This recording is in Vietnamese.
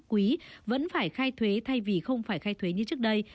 quý vẫn phải khai thuế thay vì không phải khai thuế như trước đây